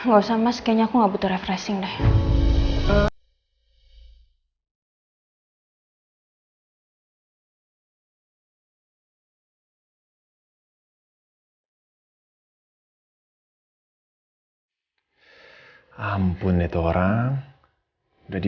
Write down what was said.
gak usah mas kayanya aku gak butuh refreshing deh